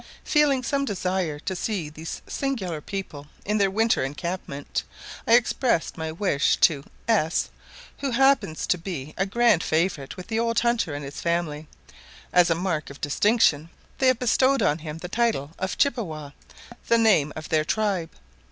Feeling some desire to see these singular people in their winter encampment, I expressed my wish to S , who happens to be a grand favourite with the old hunter and his family; as a mark of a distinction they have bestowed on him the title of Chippewa, the name of their tribe.